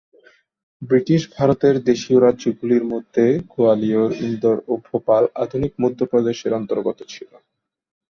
British ভারতের দেশীয় রাজ্য গুলির মধ্যে গোয়ালিয়র, ইন্দোর, ও ভোপাল আধুনিক মধ্যপ্রদেশের অন্তর্গত ছিল।